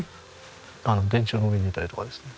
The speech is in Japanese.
電柱の上にいたりとかですね。